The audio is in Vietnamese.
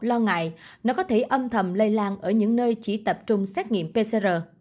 lo ngại nó có thể âm thầm lây lan ở những nơi chỉ tập trung xét nghiệm pcr